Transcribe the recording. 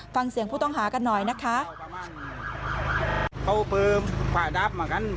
ฟังเสียงผู้ต้องหากันหน่อยนะคะ